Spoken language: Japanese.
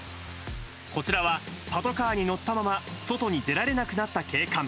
こちらはぱとかーにのったまま外に出られなくなった警官。